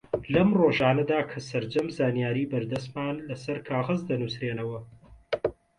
لەم ڕۆژانەدا کە سەرجەم زانیاری بەردەستمان لەسەر کاغەز دەنووسرێنەوە